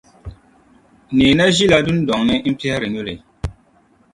Neena ʒila dundɔŋ ni n-piɛhiri nyuli